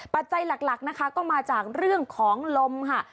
ปัจจัยหลักนะคะก็มาจากเรื่องของลมค่ะ